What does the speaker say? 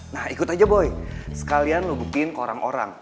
nah ikut aja boy sekalian nubukin ke orang orang